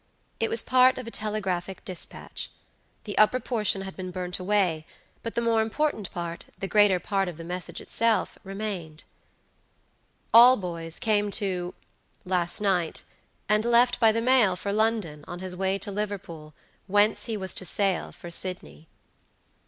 It was part of a telegraphic dispatch. The upper portion had been burnt away, but the more important part, the greater part of the message itself, remained. "alboys came to last night, and left by the mail for London, on his way to Liverpool, whence he was to sail for Sydney."